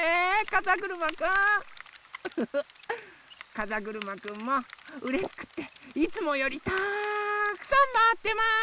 かざぐるまくんもうれしくっていつもよりたくさんまわってます！